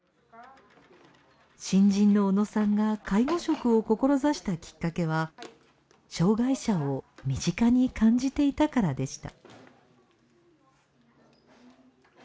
新人の小野さんが介護職を志したきっかけは障がい者を身近に感じていたからでした。